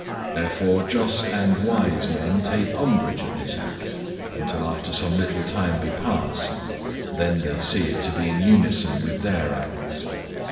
Therefore just and wise men take umbrage at his act, until after some little time be past: then they see it to be in unison with their acts.